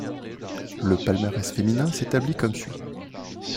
Le palmarès féminin s'établit comme suit.